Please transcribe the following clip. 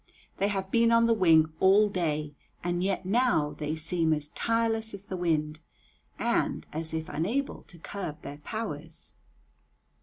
They have been on the wing all day, and yet now they seem as tireless as the wind, and as if unable to curb their powers.